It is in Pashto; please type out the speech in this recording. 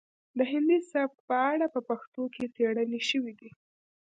د هندي سبک په اړه په پښتو کې څیړنې شوي دي